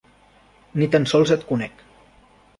Ni tan sols et conec.